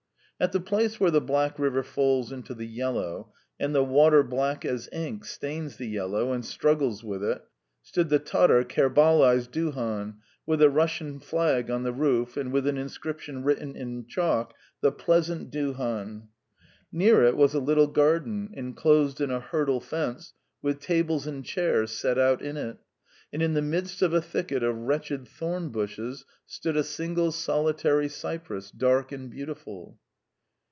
At the place where the Black River falls into the Yellow, and the water black as ink stains the yellow and struggles with it, stood the Tatar Kerbalay's duhan, with the Russian flag on the roof and with an inscription written in chalk: "The Pleasant duhan." Near it was a little garden, enclosed in a hurdle fence, with tables and chairs set out in it, and in the midst of a thicket of wretched thornbushes stood a single solitary cypress, dark and beautiful.